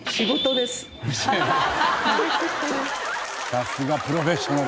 さすがプロフェッショナル。